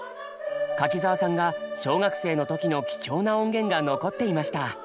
柿澤さんが小学生の時の貴重な音源が残っていました。